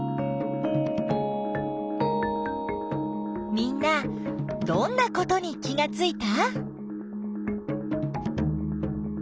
みんなどんなことに気がついた？